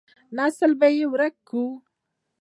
نسل به يې ورک کو.